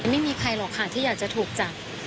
ไม่มีใครหรอกค่ะที่อยากจะถูกจับ